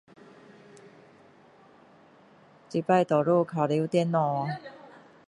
这次多数玩电脑呀